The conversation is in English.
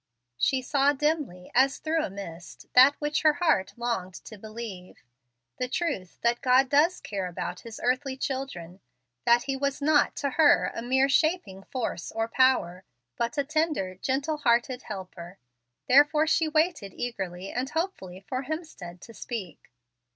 She saw dimly, as through a mist, that which her heart longed to believe, the truth that God does care about His earthly children, that He was not to her a mere shaping force or power, but a tender, gentle hearted helper. Therefore she waited eagerly and hopefully for Hemstead to speak.